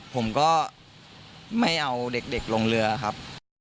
ผมก็ไม่เอาเด็กลงเรือครับ